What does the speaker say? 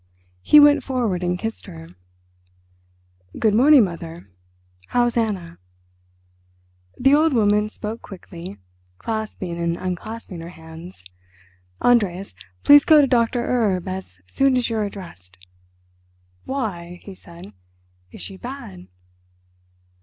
He went forward and kissed her. "Good morning, mother; how's Anna?" The old woman spoke quickly, clasping and unclasping her hands. "Andreas, please go to Doctor Erb as soon as you are dressed." "Why," he said, "is she bad?"